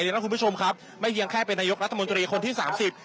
แล้วคุณผู้ชมครับไม่เพียงแค่เป็นนายกรัฐมนตรีคนที่สามสิบ